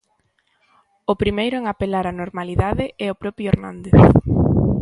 O primeiro en apelar á normalidade é o propio Hernández.